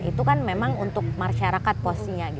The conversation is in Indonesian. itu kan memang untuk masyarakat posnya